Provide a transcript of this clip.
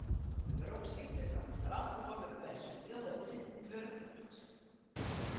De beropssykte komt foaral foar by personiel dat sittend wurk docht.